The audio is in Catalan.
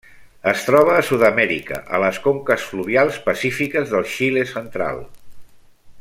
Es troba a Sud-amèrica, a les conques fluvials pacífiques del Xile central.